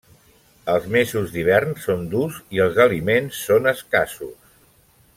Els mesos d'hivern són durs i els aliments són escassos.